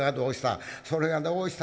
「それがどうした？」。